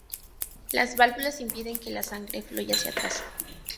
Las válvulas impiden que la sangre fluya hacia atrás.